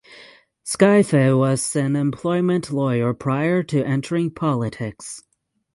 Scaife was an employment lawyer prior to entering politics.